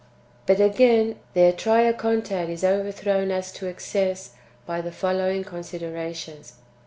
7. But again, their Triacontad is overthrown as to excess by the following considerations.